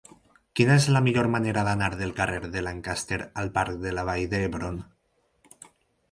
Quina és la millor manera d'anar del carrer de Lancaster al parc de la Vall d'Hebron?